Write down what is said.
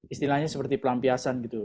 istilahnya seperti pelampiasan gitu